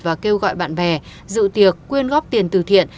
và kêu gọi bạn bè dự tiệc quyên góp tiền từ thiện